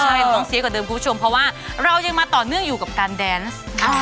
ใช่ร้องเสียกว่าเดิมคุณผู้ชมเพราะว่าเรายังมาต่อเนื่องอยู่กับการแดนส์